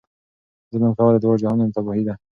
ظلم کول د دواړو جهانونو تباهي ده.